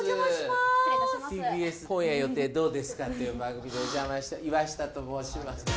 失礼いたしますＴＢＳ「今夜予定どうですか？」っていう番組でお邪魔した岩下と申します